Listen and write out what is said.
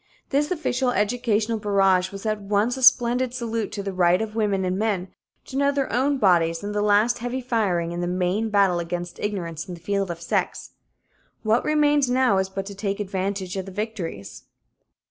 This official educational barrage was at once a splendid salute to the right of women and men to know their own bodies and the last heavy firing in the main battle against ignorance in the field of sex. What remains now is but to take advantage of the victories.